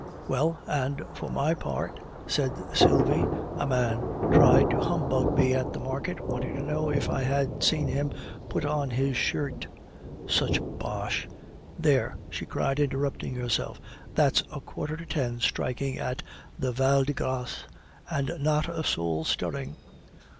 '" "Well, and for my part," said Sylvie, "a man tried to humbug me at the market wanting to know if I had seen him put on his shirt. Such bosh! There," she cried, interrupting herself, "that's a quarter to ten striking at the Val de Grace, and not a soul stirring!"